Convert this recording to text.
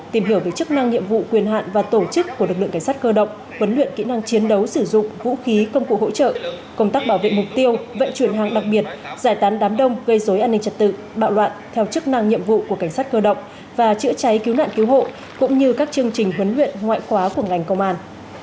tìm hiểu về chức năng nhiệm vụ quyền hạn và tổ chức của lực lượng cảnh sát cơ động huấn luyện kỹ năng chiến đấu sử dụng vũ khí công cụ hỗ trợ công tác bảo vệ mục tiêu vận chuyển hàng đặc biệt giải tán đám đông gây dối an ninh trật tự bạo loạn theo chức năng nhiệm vụ của cảnh sát cơ động và chữa cháy cứu nạn cứu hộ cũng như các chương trình huấn luyện ngoại khóa của ngành công an